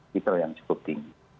kita yang cukup tinggi